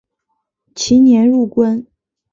其年入关。